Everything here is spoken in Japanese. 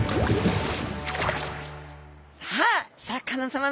さあシャーク香音さま